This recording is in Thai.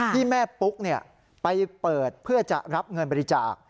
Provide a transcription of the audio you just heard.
ที่แม่ปุ๊กไปเปิดเพื่อจะรับเงินบริจาค